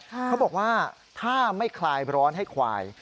เขาบอกว่าถ้าไม่คลายร้อนให้ควาย